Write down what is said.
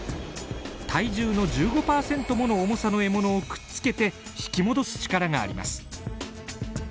体重の１５％もの重さの獲物をくっつけて引き戻す力があります。